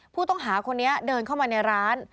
ผู้ต้องหาคนนี้เดินเข้ามาในร้าน